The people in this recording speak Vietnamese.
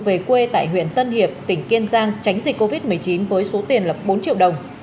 về quê tại huyện tân hiệp tỉnh kiên giang tránh dịch covid một mươi chín với số tiền lập bốn triệu đồng